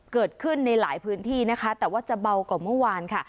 เกิดขึ้นในหลายพื้นที่นะคะแต่ว่าจะเบากว่าเมื่อวานค่ะ